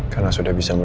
kembali ke rumah saya